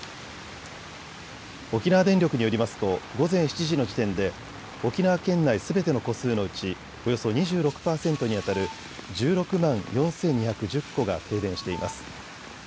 沖縄電力によりますと午前７時の時点で沖縄県内すべての戸数のうちおよそ２６％にあたる１６万４２１０戸が停電しています。